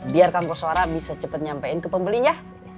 biar kan koswara bisa cepet nyampein ke pembelinya